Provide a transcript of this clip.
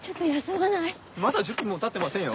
まだ１０分もたってませんよ。